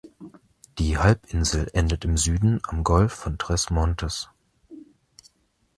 Die Halbinsel endet im Süden am Golf von Tres Montes.